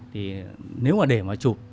thì nếu mà để mà chụp